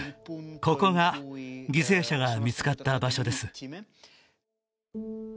ここが犠牲者が見つかった場所です